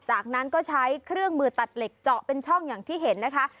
จากนั้นก็ใช้เครื่องมือตัดเหล็กเจาะเป็นช่องอย่างที่เห็นนะคะ